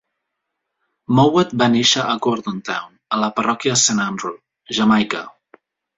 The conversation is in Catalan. Mowatt va néixer a Gordon Town, a la parròquia de Saint Andrew, Jamaica.